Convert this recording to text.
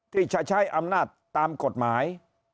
ที่จะใช้อำนาจตามกฎหมาย